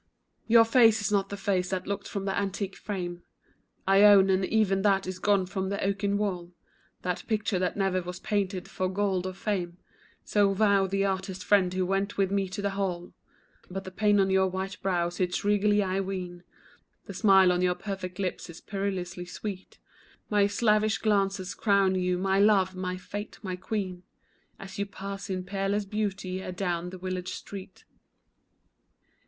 Your face is not the face that looked from the antique frame, Ione, and even that is gone from the oaken wall; That picture that never was painted for gold or fame, So vowed the artist friend who went with me to the hall; But the pain on your white brow sits regally I ween, The smile on your perfect lips is perilously sweet, My slavish glances crown you my love, my fate, my queen, As you pass in peerless beauty adown the village street.